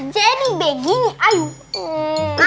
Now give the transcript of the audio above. jadi begini ayo